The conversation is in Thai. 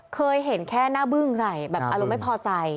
เคยเห็นแค่หน้าบึ้งใส่แบบอารมณ์ไม่พอใจ